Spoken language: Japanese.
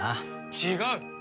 違う！